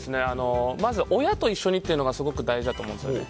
まず、親と一緒にというのが大事だと思うんですね。